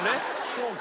そうか。